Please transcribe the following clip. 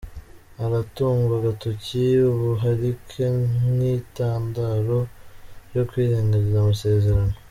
Haratungwa agatoki ubuharike nk’intandaro yo kwirengagiza amasezerano.